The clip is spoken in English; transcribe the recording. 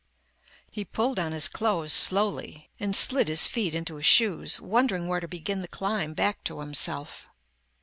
He pulled on his clothes slowly and slid his feet into his shoes, wondering where to begin the climb back to himself.